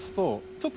ちょっと。